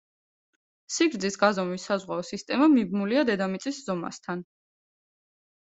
სიგრძის გაზომვის საზღვაო სისტემა მიბმულია დედამიწის ზომასთან.